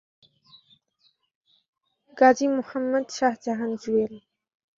Gazi Mohammad Shahjahan Jewel.